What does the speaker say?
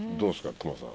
隈さん。